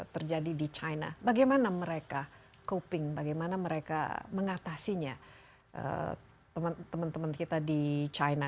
terjadi di china bagaimana mereka coping bagaimana mereka mengatasinya teman teman kita di china